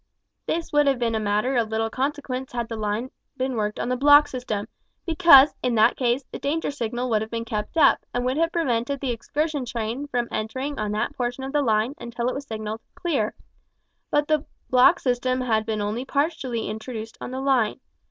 This would have been a matter of little consequence had the line been worked on the block system, because, in that case, the danger signal would have been kept up, and would have prevented the excursion train from entering on that portion of the line until it was signalled "clear;" but the block system had been only partially introduced on the line.